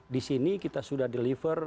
di sini kita sudah deliver